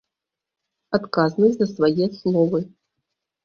Адказнасць за свае словы.